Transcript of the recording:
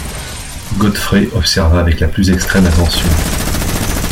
Godfrey observa avec la plus extrême attention.